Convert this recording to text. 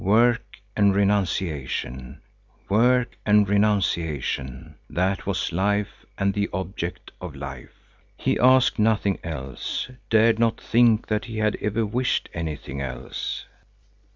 Work and renunciation, work and renunciation, that was life and the object of life. He asked nothing else, dared not think that he had ever wished anything else.